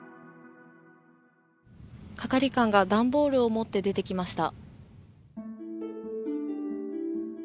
係官が段ボールを持って出てきました